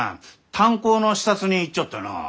炭鉱の視察に行っちょってのう。